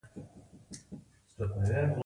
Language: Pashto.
خو زه پرې خوشحاله نشوم.